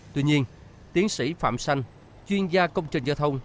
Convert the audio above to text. tuy nhiên tiến sĩ phạm xanh chuyên gia công trình giao thông